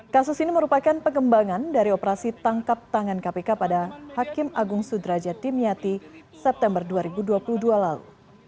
kasus ini merupakan pengembangan dari operasi tangkap tangan kpk pada hakim agung sudraja timiati september dua ribu dua puluh dua lalu